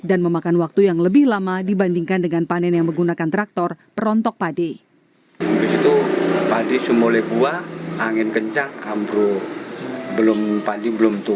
dan memakan waktu yang lebih lama dibandingkan dengan panen yang menggunakan traktor perontok padi